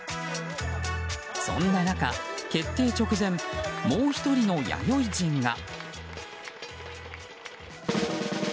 そんな中、決定直前もう１人の弥生人が。